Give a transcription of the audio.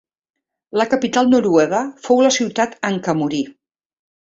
La capital noruega fou la ciutat en què morí.